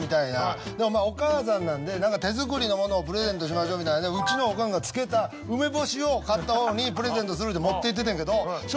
でもお母さんなんで手作りのものをプレゼントしましょうみたいなんでうちのオカンが漬けた梅干しを勝ったほうにプレゼントするって持っていってたんやけど。